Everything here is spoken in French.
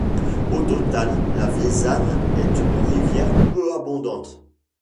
Au total, la Vézanne est une rivière peu abondante.